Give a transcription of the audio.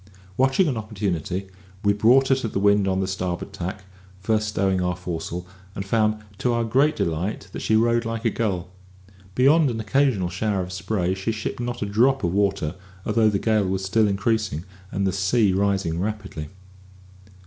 Watching an opportunity, we brought her to the wind on the starboard tack, first stowing our foresail, and found, to our great delight, that she rode like a gull. Beyond an occasional shower of spray, she shipped not a drop of water, although the gale was still increasing, and the sea rising rapidly.